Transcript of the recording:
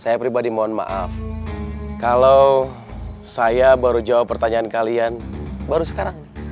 saya pribadi mohon maaf kalau saya baru jawab pertanyaan kalian baru sekarang